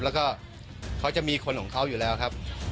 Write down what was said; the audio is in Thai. แล้วก็เขาจะมีคนของเขาอยู่แล้วครับ